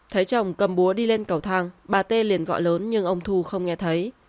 thấy chồng cầm búa đi lên cầu thang bà tê liền gọi lớn nhưng ông thu không nghe thấy